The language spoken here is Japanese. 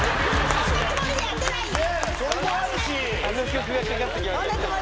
そんなつもりでやってないよ。